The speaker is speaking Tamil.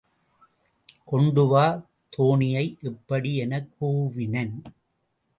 கொண்டுவா தோணியை இப்படி எனக் கூவினன்.